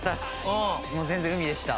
もう全然海でした。